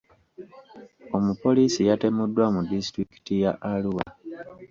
Omupoliisi yatemuddwa mu disitulikiti ya Arua.